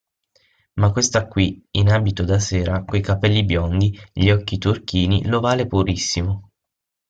Ma questa qui, in abito da sera, coi capelli biondi, gli occhi turchini, l'ovale purissimo.